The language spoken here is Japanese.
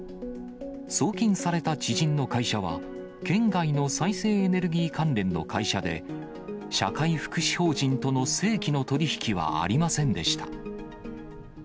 送金された知人の会社は県外の再生エネルギー関連の会社で、社会福祉法人との正規の取り引きはありませんでした。